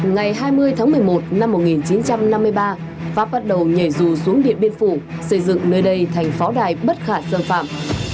ngày hai mươi tháng một mươi một năm một nghìn chín trăm năm mươi ba pháp bắt đầu nhảy dù xuống điện biên phủ xây dựng nơi đây thành pháo đài bất khả xâm phạm